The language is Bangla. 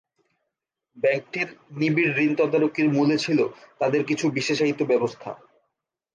ব্যাংকটির নিবিড় ঋণ তদারকির মূলে ছিল তাদের কিছু বিশেষায়িত ব্যবস্থা।